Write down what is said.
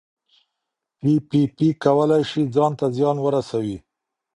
پي پي پي کولی شي ځان ته زیان ورسوي.